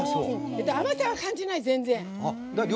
甘さは感じない、全然。